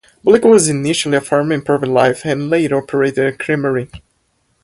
Boulic was initially a farmer in private life, and later operated a creamery.